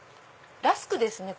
ラスクですね